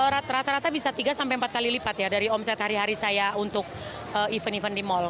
rata rata bisa tiga sampai empat kali lipat ya dari omset hari hari saya untuk event event di mall